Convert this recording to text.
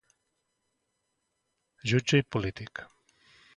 Jutge i polític.